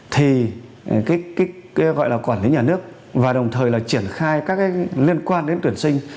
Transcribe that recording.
thì cái gọi là quản lý nhà nước và đồng thời là triển khai các cái liên quan đến tuyển sinh